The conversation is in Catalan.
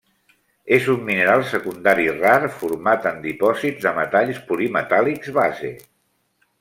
És un mineral secundari rar format en dipòsits de metalls polimetàl·lics base.